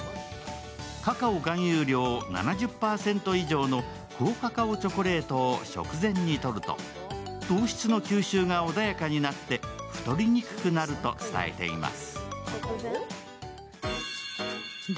カカオ含有量７０％以上の高カカオチョコレートを食前にとると糖質の吸収が穏やかになって太りにくくなると伝えています。